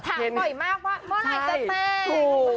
ถามก่อนอีกมากว่าเมื่อไหร่จะเต้ง